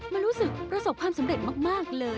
มันรู้สึกประสบความสำเร็จมากเลย